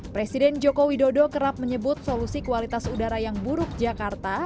presiden joko widodo kerap menyebut solusi kualitas udara yang buruk jakarta